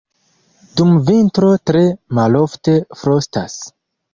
Dum vintro tre malofte frostas.